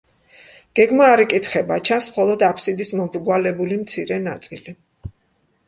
გეგმა არ იკითხება, ჩანს მხოლოდ აბსიდის მომრგვალებული მცირე ნაწილი.